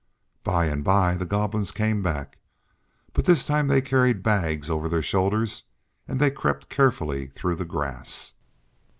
By and by the Goblins came back, but this time they carried bags over their shoulders and they crept carefully through the grass.